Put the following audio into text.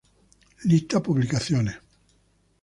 Lista publicaciones